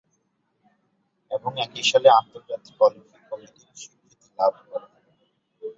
এবং একই সালে আন্তর্জাতিক অলিম্পিক কমিটির স্বীকৃতি লাভ করে।